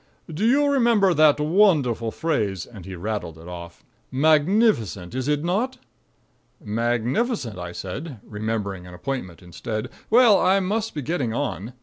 "Do you remember that wonderful phrase " and he rattled it off. "Magnificent, is it not?" "Magnificent," I said, remembering an appointment instead. "Well, I must be getting on.